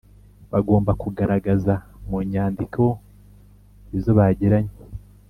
bagomba kugaragaza mu nyandiko izo bagiranye